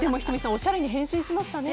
おしゃれに変身しましたね。